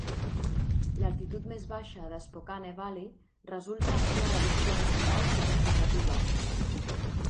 L'altitud més baixa de Spokane Valley resulta en una reducció de senyal significativa.